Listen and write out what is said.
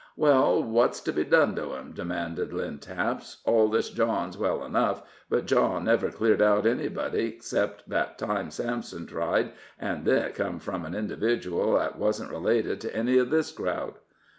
"Well, what's to be done to 'em?" demanded Lynn Taps. "All this jawin's well enough, but jaw never cleared out anybody 'xcep' that time Samson tried, an' then it came from an individual that wasn't related to any of this crowd."